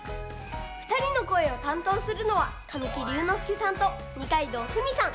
ふたりのこえをたんとうするのは神木隆之介さんと二階堂ふみさん。